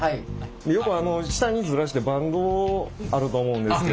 よく下にズラしてバンドあると思うんですけど。